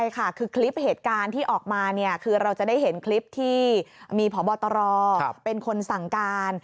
ใช่ค่ะคือคลิปเหตุการณ์ที่ออกมาคือเราจะได้เห็นคลิปที่มีพบตรเป็นคนสั่งการ